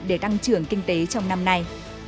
để tăng trưởng kinh tế trong năm nay